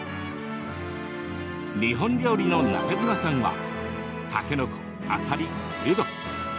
日本料理の中嶋さんはたけのこ、あさり、うど。